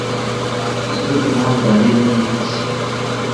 د امنیتي ستونزو پر مهال دروازې بندې نه شي